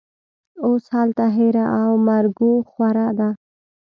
اوس هلته هېره او مرګوخوره ده